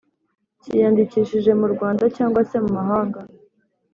cyiyandikishije mu Rwanda cyangwa se mumahanga